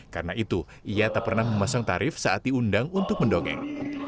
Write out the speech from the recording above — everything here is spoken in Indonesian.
karena itu ia tak pernah memasang tarif saat diundang untuk mendongeng